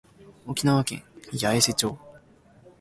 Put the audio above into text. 沖縄県八重瀬町